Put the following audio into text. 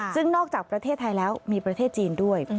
ซึ่งนอกจากประเทศไทยแล้วมีประเทศจีนด้วย